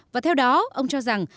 và theo đó ông cho rằng